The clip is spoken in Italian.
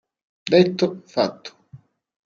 Detto, fatto.